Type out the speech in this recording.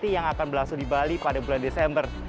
yang akan berlangsung di bali pada bulan desember